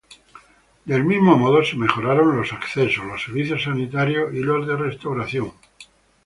Del mismo modo, se mejoraron los accesos, los servicios sanitarios y los de restauración.